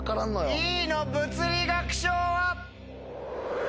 Ｅの物理学賞は？